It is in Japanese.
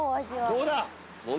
どうだ？